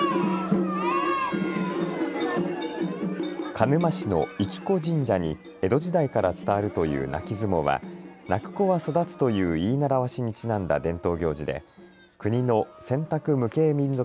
鹿沼市の生子神社に江戸時代から伝わるという泣き相撲は泣く子は育つという言い習わしにちなんだ伝統行事で国の選択無形民俗